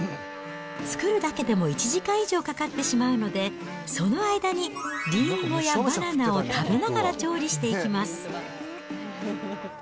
作るだけでも１時間以上かかってしまうので、その間にりんごやバナナを食べながら調理していきます。